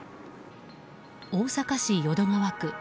大阪市淀川区。